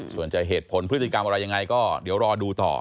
ส่วนจะเหตุผลพฤติกรรมอะไรยังไงก็เดี๋ยวรอดูต่อ